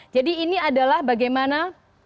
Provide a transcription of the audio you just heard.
jadi ini adalah bagaimana